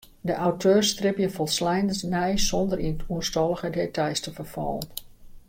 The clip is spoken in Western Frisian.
De auteurs stribje folsleinens nei sûnder yn oerstallige details te ferfallen.